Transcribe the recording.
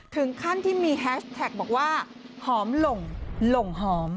ถึงขั้นที่มีแฮชแท็กบอกว่าหอมหลงหอม